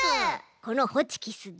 このホチキスで。